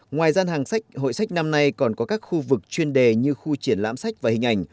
ngoài gian hàng sách hội sách năm nay còn có các khu vực chuyên đề như khu triển lãm sách và hình ảnh